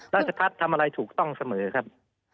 ราชพัฒน์ทำอะไรถูกต้องเสมอครับ